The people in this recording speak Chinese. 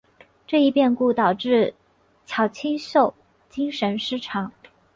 这一变故导致乔清秀精神失常。